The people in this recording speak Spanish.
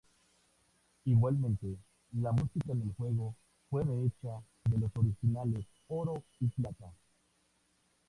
Igualmente, la música en el juego fue rehecha de los originales "Oro" y "Plata".